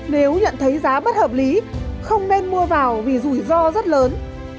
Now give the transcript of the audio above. nếu nhận thấy giá bất hợp lý không nên mua vào vì rủi ro rất lớn